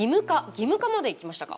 義務化までいきましたか。